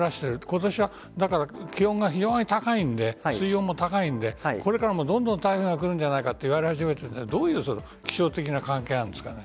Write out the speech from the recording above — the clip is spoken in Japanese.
今年は気温が非常に高いので水温も高いのでこれからも、どんどん台風が来るんじゃないかと言われ始めてどういう、気象的な関係あるんですか。